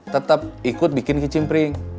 tetep ikut bikin kicimpring